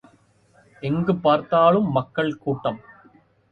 எங்குப் பார்த்தாலும் மக்கள் கூட்டம்.